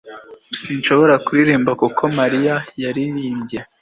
Sinshobora kuririmba nkuko Mariya yaririmbye